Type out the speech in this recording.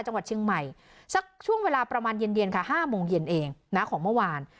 จังหวัดเชียงใหม่สักช่วงเวลาประมาณเย็นค่ะ๕โมงเย็นเองนะของเมื่อวาน